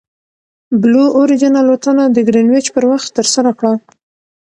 بلو اوریجن الوتنه د ګرینویچ پر وخت ترسره کړه.